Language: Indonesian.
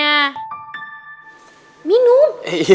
nih minum dulu tehnya